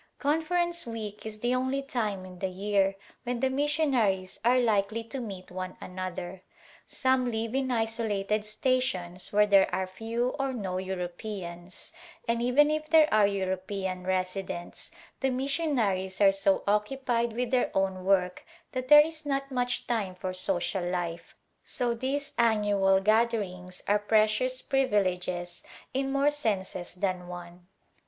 Conference week is the only time in the year when the missionaries are likely to meet one another. Some live in isolated stations where there are few or no Europeans, and even if there are European residents the missionaries are so occupied with their own work that there is not much time for social life, so these an nual gatherings are precious privileges in more senses than one.